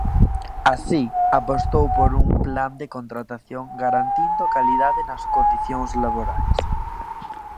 Así, apostou por "un plan de contratación garantindo a calidade nas condicións laborais".